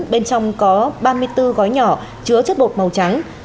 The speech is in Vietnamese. bên trong có ba mươi bốn gói nhỏ chứa chất bột màu trắng